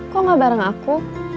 kok gak bareng aku